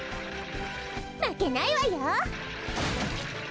まけないわよ！